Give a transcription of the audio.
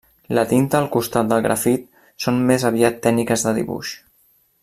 La tinta al costat del grafit són més aviat tècniques de dibuix.